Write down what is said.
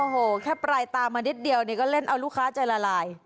โอ้โหแค่ปลายตามานิดเดียวเนี่ยก็เล่นเอาลูกค้าใจละลาย